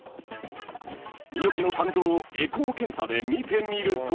［幸の肝臓をエコー検査で見てみると］